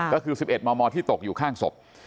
ก็คือ๑๑มมที่ตกอยู่ข้างศพ